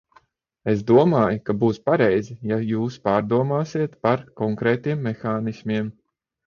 Es domāju, ka būs pareizi, ja jūs padomāsiet par konkrētiem mehānismiem.